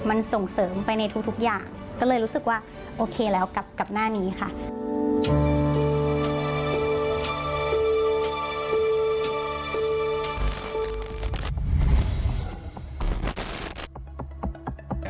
มันส่งเสริมไปในทุกอย่างก็เลยรู้สึกว่าโอเคแล้วกับหน้านี้ค่ะ